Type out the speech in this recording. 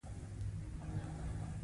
بوتل کله کله د پیغام لېږلو لپاره کارېږي.